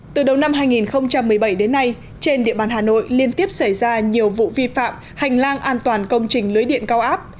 từ đầu năm hai nghìn một mươi bảy đến nay trên địa bàn hà nội liên tiếp xảy ra nhiều vụ vi phạm hành lang an toàn công trình lưới điện cao áp